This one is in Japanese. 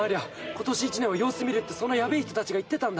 今年１年は様子見るってそのヤベェ人たちが言ってたんだ。